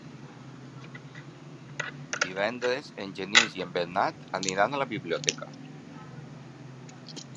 Divendres en Genís i en Bernat aniran a la biblioteca.